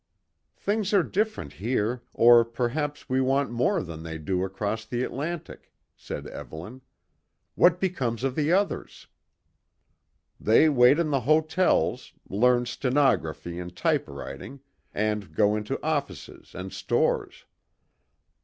"Things are different here, or perhaps we want more than they do across the Atlantic," said Evelyn. "What becomes of the others?" "They wait in the hotels; learn stenography and typewriting, and go into offices and stores."